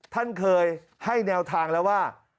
ท่านเคยให้แนวทางแล้วว่า